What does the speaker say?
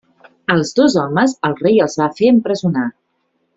Als dos homes el rei els va fer empresonar.